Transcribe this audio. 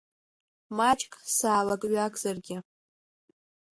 Маҷк саалак-ҩакзаргьы…